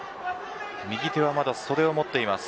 右手はまだ袖を持っています。